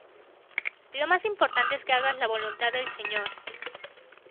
Lo más importante es que hagas la voluntad del Señor.